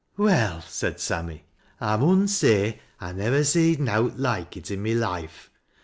"Well," said Sammy, "I man say I nivver seed nowt loike it i' my loife.